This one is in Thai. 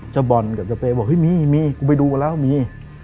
บอลกับเจ้าเปย์บอกเฮ้ยมีมีกูไปดูกันแล้วมี